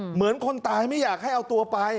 เหมือนคนตายไม่อยากให้เอาตัวไป